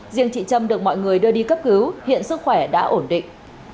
riêng chị trâm được mọi người đưa đi cấp cứu hiện sức khỏe đã ổn định